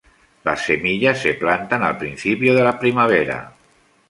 Las semillas se plantan al principio de la primavera.